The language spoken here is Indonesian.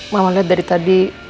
mama lihat dari tadi